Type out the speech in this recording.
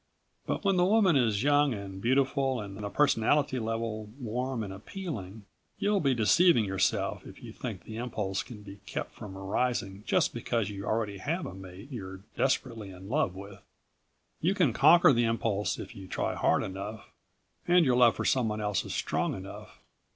But when the woman is young and beautiful and the personality level warm and appealing you'll be deceiving yourself if you think the impulse can be kept from arising just because you already have a mate you're desperately in love with. You can conquer the impulse if you try hard enough and your love for someone else is strong enough.